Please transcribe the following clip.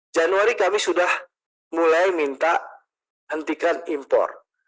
januari kami sudah mulai minta hentikan impor